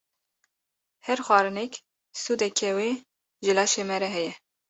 Her xwarinek sûdeke wê ji laşê me re heye.